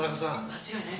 間違いないです。